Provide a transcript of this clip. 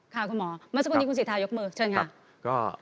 ค่ะคุณหมอมาเฉพาะนี้คุณศิษฐายกมือเชิญค่ะ